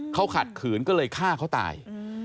เขาขัดขืนก็เลยฆ่าเขาตาย